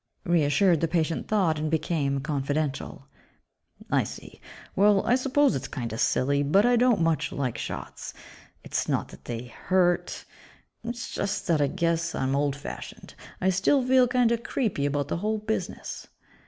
Reassured, the patient thawed and became confidential, "I see. Well, I suppose it's kinda silly, but I don't much like shots. It's not that they hurt ... it's just that I guess I'm old fashioned. I still feel kinda 'creepy' about the whole business."